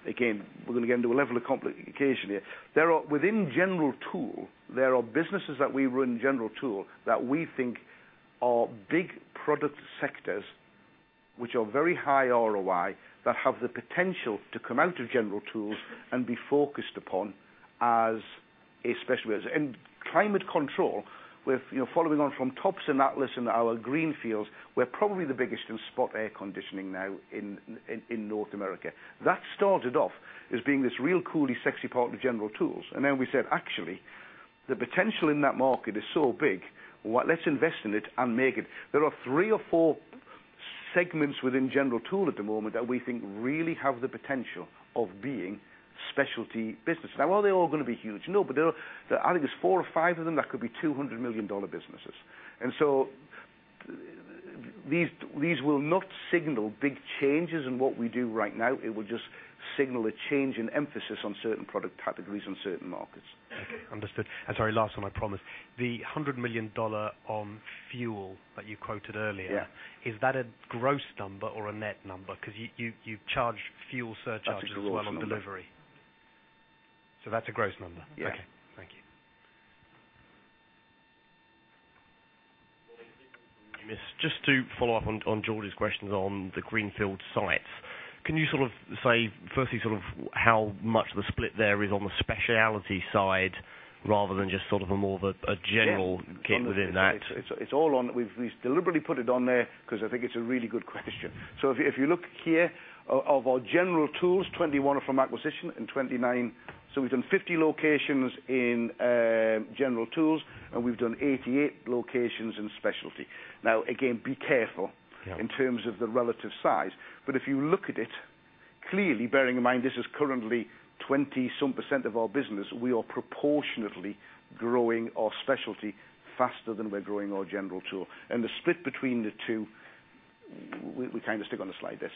Again, we're going to get into a level of complication here. Within general tool, there are businesses that we run general tool that we think are big product sectors which are very high ROI that have the potential to come out of general tools and be focused upon as a specialist. Climate control, following on from Tops and Atlas in our greenfields, we're probably the biggest in spot air conditioning now in North America. That started off as being this really cool, sexy part of the general tools. We said, "Actually, the potential in that market is so big. Let's invest in it and make it." There are three or four segments within general tool at the moment that we think really have the potential of being specialty businesses. Are they all going to be huge? No, but I think there's four or five of them that could be $200 million businesses. These will not signal big changes in what we do right now. It will just signal a change in emphasis on certain product categories and certain markets. Understood. Sorry, last one, I promise. The $100 million on fuel that you quoted earlier- Yeah is that a gross number or a net number? Because you charge fuel surcharges as well on delivery. That's a gross number. That's a gross number? Yes. Okay. Thank you. Just to follow up on George's questions on the greenfield sites, can you say firstly how much of the split there is on the specialty side rather than just more of a general Yeah within that? It's all on. We deliberately put it on there because I think it's a really good question. If you look here, of our general tools, 21 are from acquisition and 29, so we've done 50 locations in general tools, and we've done 88 locations in specialty. Again, be careful- Yeah in terms of the relative size. If you look at it clearly, bearing in mind this is currently 20-some% of our business, we are proportionately growing our specialty faster than we're growing our general tool. The split between the two, we kind of stick on the slide there,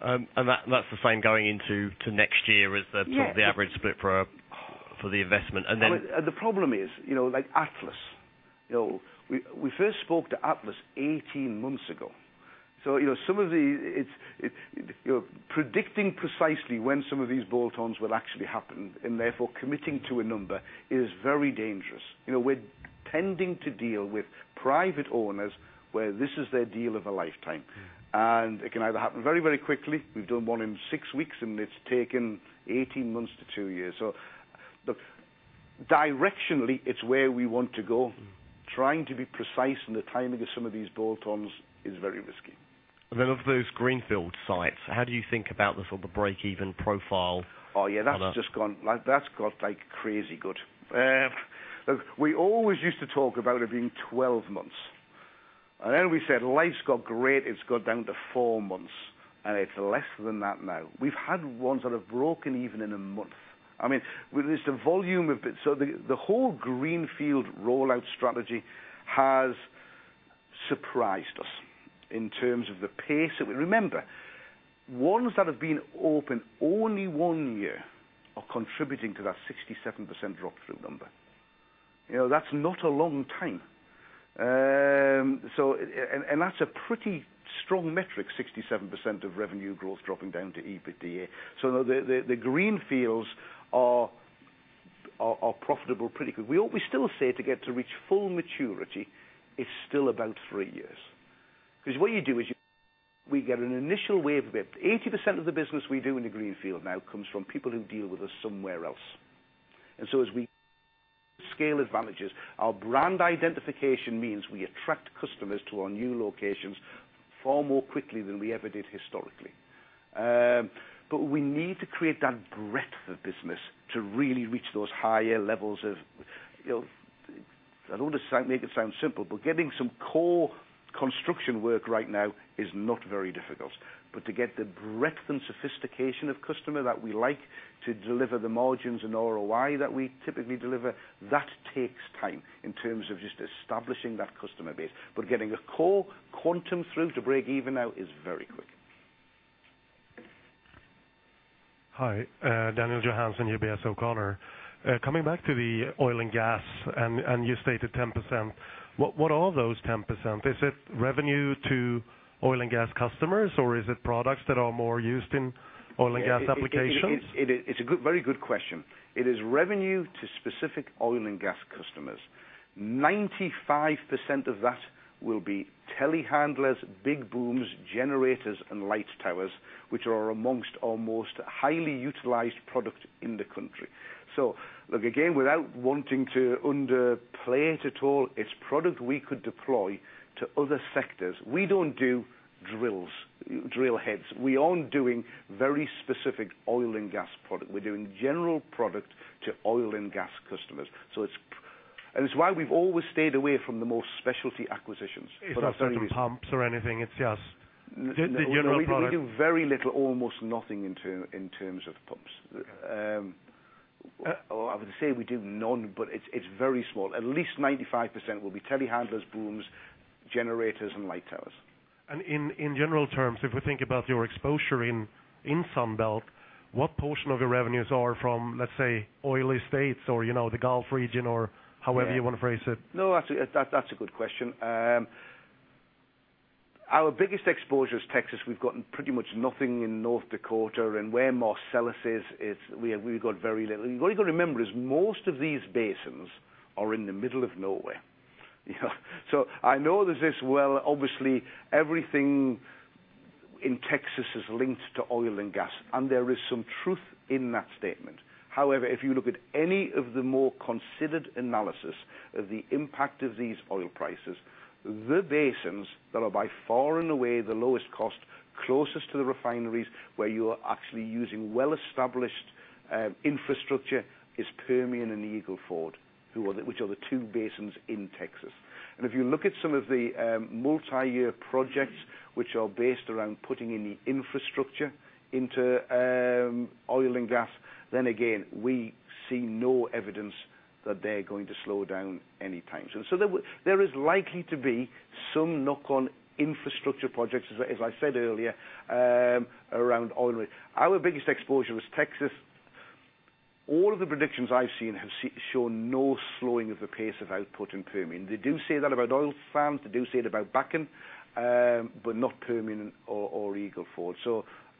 George. That's the same going into next year as the- Yeah average split for the investment. The problem is, like Atlas. We first spoke to Atlas 18 months ago. Predicting precisely when some of these bolt-ons will actually happen, and therefore committing to a number, is very dangerous. We're tending to deal with private owners where this is their deal of a lifetime. It can either happen very quickly, we've done one in six weeks, and it's taken 18 months to two years. Look, directionally, it's where we want to go. Trying to be precise in the timing of some of these bolt-ons is very risky. Of those greenfield sites, how do you think about the break-even profile? Oh, yeah. That's just gone crazy good. Look, we always used to talk about it being 12 months. We said, "Life's got great, it's gone down to four months." It's less than that now. We've had ones that have broken even in a month. With the volume of it. The whole greenfield rollout strategy has surprised us in terms of the pace that we Remember, ones that have been open only one year are contributing to that 67% drop-through number. That's not a long time. That's a pretty strong metric, 67% of revenue growth dropping down to EBITDA. The greenfields are profitable pretty good. We still say to get to reach full maturity is still about three years. What we get an initial wave of it. 80% of the business we do in the greenfield now comes from people who deal with us somewhere else. As we scale advantages, our brand identification means we attract customers to our new locations far more quickly than we ever did historically. We need to create that breadth of business to really reach those higher levels of I don't want to make it sound simple, but getting some core construction work right now is not very difficult. To get the breadth and sophistication of customer that we like to deliver the margins and ROI that we typically deliver, that takes time in terms of just establishing that customer base. Getting a core quantum through to break-even now is very quick. Hi, Daniela Najar, UBS O'Connor. Coming back to the oil and gas, you stated 10%, what are those 10%? Is it revenue to oil and gas customers, or is it products that are more used in oil and gas applications? It's a very good question. It is revenue to specific oil and gas customers. 95% of that will be telehandlers, big booms, generators, and light towers, which are amongst our most highly utilized product in the country. Look, again, without wanting to underplay it at all, it's product we could deploy to other sectors. We don't do drills, drill heads. We aren't doing very specific oil and gas product. We're doing general product to oil and gas customers. It's why we've always stayed away from the more specialty acquisitions for that very reason. It's not pumps or anything, it's just the general product? We do very little, almost nothing in terms of pumps. Okay. I would say we do none, but it's very small. At least 95% will be telehandlers, booms, generators, and light towers. In general terms, if we think about your exposure in Sunbelt, what portion of your revenues are from, let's say, oil states or the Gulf region, or however you want to phrase it? No, that's a good question. Our biggest exposure is Texas. We've got pretty much nothing in North Dakota. Where Marcellus is, we've got very little. What you got to remember is most of these basins are in the middle of nowhere. I know there's this, well, obviously everything in Texas is linked to oil and gas, and there is some truth in that statement. However, if you look at any of the more considered analysis of the impact of these oil prices, the basins that are by far and away the lowest cost, closest to the refineries, where you are actually using well-established infrastructure is Permian and Eagle Ford, which are the two basins in Texas. If you look at some of the multi-year projects which are based around putting in the infrastructure into oil and gas, again, we see no evidence that they're going to slow down anytime soon. There is likely to be some knock-on infrastructure projects, as I said earlier, around oil. Our biggest exposure is Texas. All of the predictions I've seen have shown no slowing of the pace of output in Permian. They do say that about oil sands, they do say it about Bakken, but not Permian or Eagle Ford.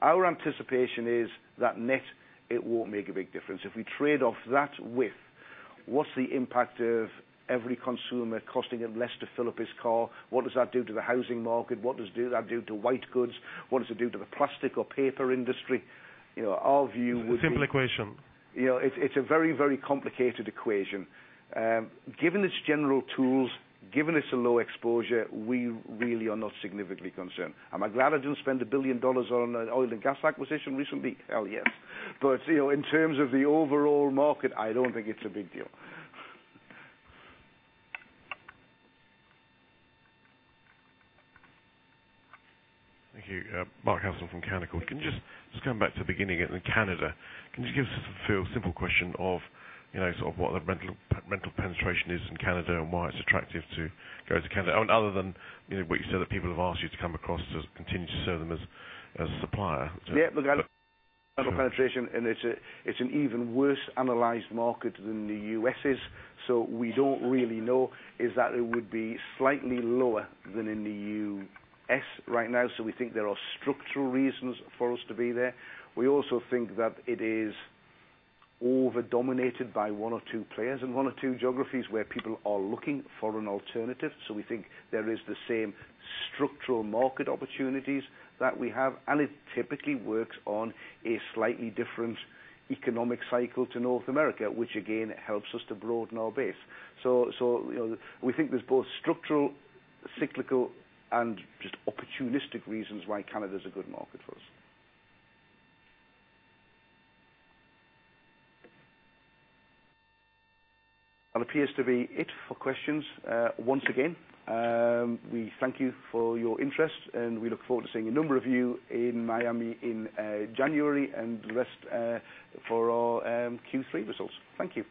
Our anticipation is that net, it won't make a big difference. If we trade off that with what's the impact of every consumer costing him less to fill up his car, what does that do to the housing market? What does that do to white goods? What does it do to the plastic or paper industry? Our view would be It's a simple equation It's a very complicated equation. Given it's general tools, given it's a low exposure, we really are not significantly concerned. Am I glad I didn't spend $1 billion on an oil and gas acquisition recently? Hell yes. In terms of the overall market, I don't think it's a big deal. Thank you. Mark Hessel from Canaccord. Come back to the beginning in Canada. Can you give us a feel, simple question of what the rental penetration is in Canada and why it's attractive to go to Canada other than what you said that people have asked you to come across to continue to serve them as a supplier? Yeah. We've got rental penetration. It's an even worse analyzed market than the U.S. is. We don't really know is that it would be slightly lower than in the U.S. right now. We think there are structural reasons for us to be there. We also think that it is over-dominated by one or two players and one or two geographies where people are looking for an alternative. We think there is the same structural market opportunities that we have. It typically works on a slightly different economic cycle to North America, which again helps us to broaden our base. We think there's both structural, cyclical, and just opportunistic reasons why Canada is a good market for us. That appears to be it for questions. Once again, we thank you for your interest. We look forward to seeing a number of you in Miami in January and the rest for our Q3 results. Thank you.